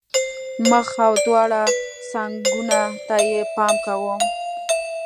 مخ او دواړو څنګونو ته یې پام کاوه.